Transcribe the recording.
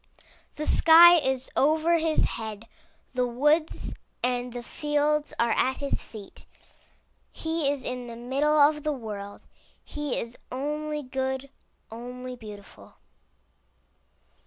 The sky is over his head, the woods and the fields are at his feet. He is in the middle of the world. He is only good, only beautiful.